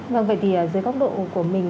vâng vậy thì dưới góc độ của mình